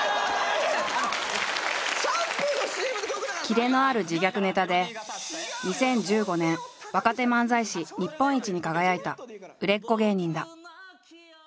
切れのある自虐ネタで２０１５年若手漫才師日本一に輝いた売れっ子芸人だ。